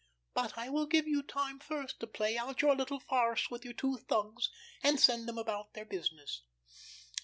But I will give you time first to play out your little farce with your two thugs, and send them about their business.